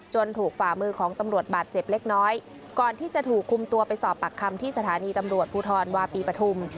ถูกฝ่ามือของตำรวจบาดเจ็บเล็กน้อยก่อนที่จะถูกคุมตัวไปสอบปากคำที่สถานีตำรวจภูทรวาปีปฐุม